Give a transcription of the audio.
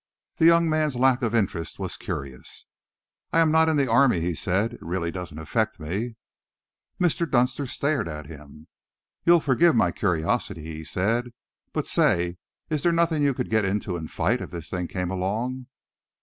The young man's lack of interest was curious. "I am not in the army," he said. "It really doesn't affect me." Mr. Dunster stared at him. "You'll forgive my curiosity," he said, "but say, is there nothing you could get into and fight if this thing came along?"